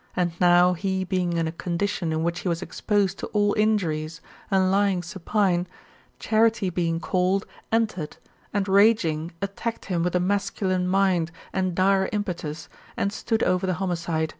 '* And now he being in a condition in which he was exposed to all injuries, and lying supine, Charite being called entered, and raging attacked him with a masculine mind and a dire impetus, and stood over the homicide.